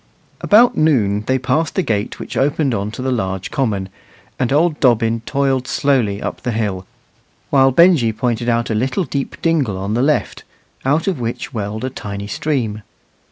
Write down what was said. About noon they passed the gate which opened on to the large common, and old Dobbin toiled slowly up the hill, while Benjy pointed out a little deep dingle on the left, out of which welled a tiny stream.